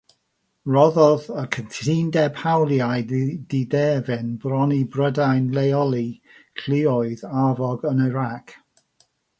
Rhoddodd y cytundeb hawliau diderfyn bron i Brydain leoli lluoedd arfog yn Iraq.